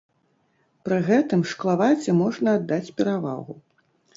Пры гэтым шклаваце можна аддаць перавагу.